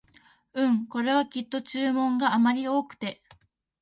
うん、これはきっと注文があまり多くて